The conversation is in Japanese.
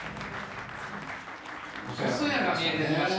細谷が見えてきました。